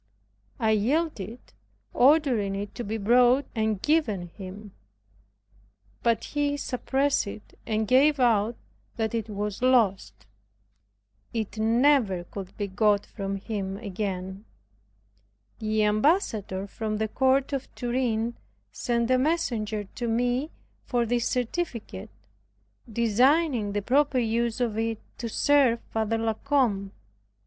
I yielded, ordering it to be brought and given him. But he suppressed it, and gave out that it was lost. It never could be got from him again. The Ambassador from the Court of Turin sent a messenger to me for this certificate, designing the proper use of it to serve Father La Combe.